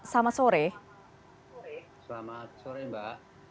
selamat sore mbak